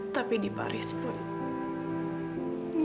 tapi di paris pun